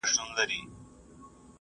که ځیرکتیا وي نو بریا ستا ده.